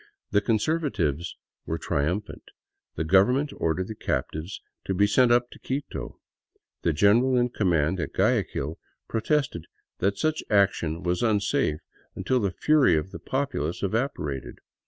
The Conservatives were trium phant. The Government ordered the captives to be sent up to Quito. The general in command at Guayaquil protested that such action was unsafe until the fury of the populace evaporated.